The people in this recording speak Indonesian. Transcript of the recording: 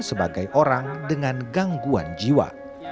sebagai orang dengan gangguan jiwa